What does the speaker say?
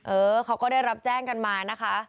เออเขาก็ได้รับแจ้งกันมานะคะ